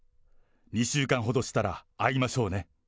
２週間ほどしたら会いましょうね。